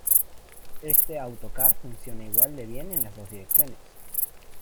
Este autocar funciona igual de bien en las dos direcciones.